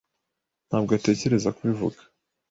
Ntabwo atekereza kubivuga.